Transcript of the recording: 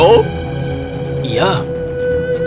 sekarang kau percaya